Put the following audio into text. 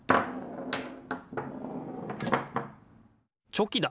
チョキだ！